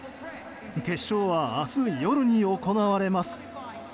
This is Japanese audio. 決勝は夜に行われます。